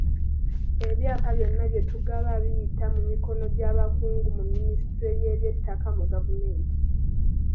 Ebyapa byonna byetugaba biyita mu mikono gy’abakugu mu minisitule y’eby'ettaka mu gavumenti.